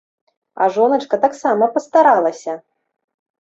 А жоначка таксама пастаралася!